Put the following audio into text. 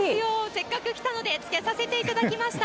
せっかく来たので、つけさせていただきました。